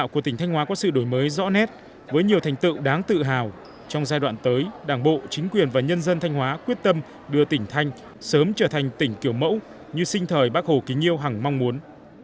có nét với nhiều thành tựu đáng tự hào trong giai đoạn tới đảng bộ chính quyền và nhân dân thanh hóa quyết tâm đưa tỉnh thanh sớm trở thành tỉnh kiểu mẫu như sinh thời bắc hồ kính yêu hẳng mong muốn